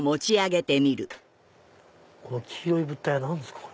この黄色い物体は何ですか？